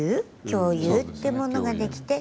共有っていうものができて。